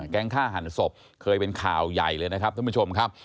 ฆ่าหันศพเคยเป็นข่าวใหญ่เลยนะครับท่านผู้ชมครับ